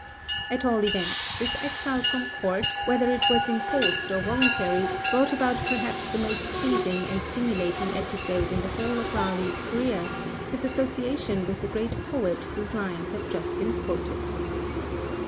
At all events, this exile from Court, whether it was enforced or voluntary, brought about perhaps the most pleasing and stimulating episode in the whole of Raleigh's career, his association with the great poet whose lines have just been quoted.